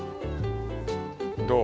どう？